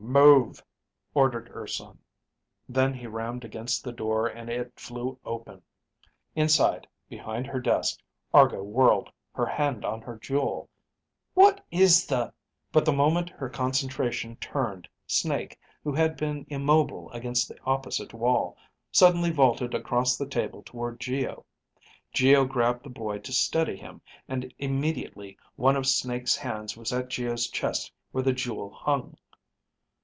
"Move," ordered Urson. Then he rammed against the door and it flew open. Inside, behind her desk, Argo whirled, her hand on her jewel. "What is the ..." But the moment her concentration turned, Snake, who had been immobile against the opposite wall, suddenly vaulted across the table toward Geo. Geo grabbed the boy to steady him, and immediately one of Snake's hands was at Geo's chest where the jewel hung.